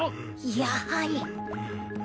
やはり。